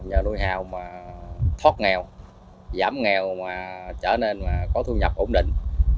nhờ nuôi hào mà thoát nghèo giảm nghèo mà trở nên có thu nhập ổn định